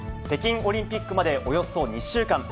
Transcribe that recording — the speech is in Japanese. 北京オリンピックまでおよそ２週間。